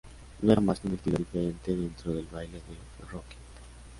No era más que un estilo diferente dentro del baile del Rocking.